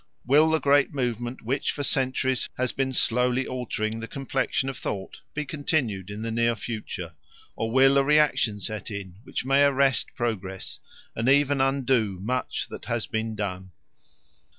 Will the great movement which for centuries has been slowly altering the complexion of thought be continued in the near future? or will a reaction set in which may arrest progress and even undo much that has been done?